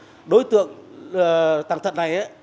còn riêng về đối tượng tàng thật này